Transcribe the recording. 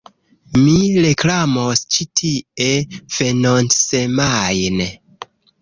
Mi reklamos ĉi tie venontsemajne